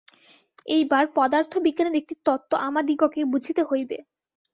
এইবার পদার্থবিজ্ঞানের একটি তত্ত্ব আমাদিগকে বুঝিতে হইবে।